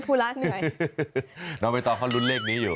คะแบบ